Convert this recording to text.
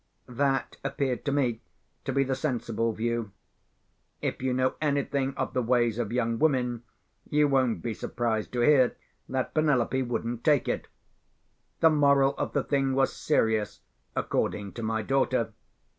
That appeared to me to be the sensible view. If you know anything of the ways of young women, you won't be surprised to hear that Penelope wouldn't take it. The moral of the thing was serious, according to my daughter.